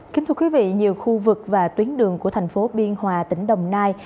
kính thưa quý vị nhiều khu vực và tuyến đường của thành phố biên hòa tỉnh đồng nai